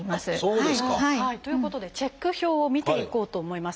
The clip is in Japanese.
そうですか。ということでチェック表を見ていこうと思います。